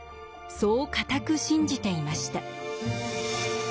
そう固く信じていました。